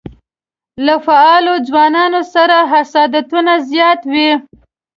له فعالو ځوانانو سره حسادتونه زیات وي.